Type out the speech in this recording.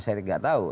saya tidak tahu